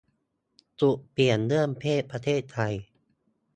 จุดเปลี่ยนเรื่องเพศประเทศไทย